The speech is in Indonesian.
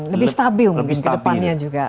lebih stabil mungkin kedepannya juga